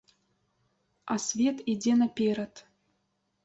А свет ідзе наперад.